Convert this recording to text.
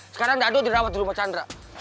sekarang dado dirawat di rumah chandra